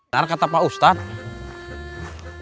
nah kata pak ustadz